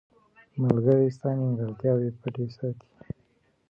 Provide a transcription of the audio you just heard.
• ملګری ستا نیمګړتیاوې پټې ساتي.